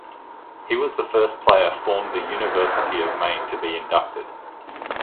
He was the first player form the University of Maine to be inducted.